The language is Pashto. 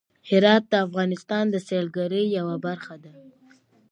هرات د افغانستان د سیلګرۍ یوه برخه ده.